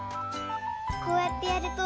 こうやってやると。